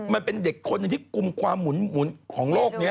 มันเป็นเด็กคนหนึ่งที่กลุ่มความหมุนของโลกนี้